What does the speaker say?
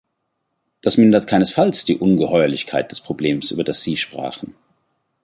Das mindert keinesfalls die Ungeheuerlichkeit des Problems, über das Sie sprachen.